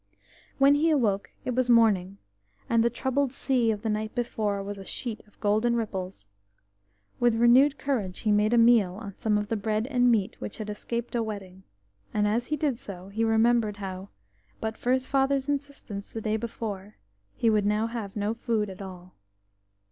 When he awoke it was morning, and the troubled sea of the night before was a sheet of golden ripples, With renewed courage he made a meal on some of the bread and meat which had escaped a wetting. and as he did so he remembered how, but for his father's insistence the day before, he would now have no food at all.